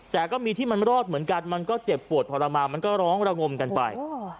แต่ก็มีที่มันรอดเหมือนกันมันก็เจ็บปวดทรมานมันก็ร้องระงมกันไป